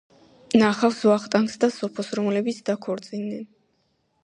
ნახავს ვახტანგს და სოფოს, რომლებიც დაქორწინდენ.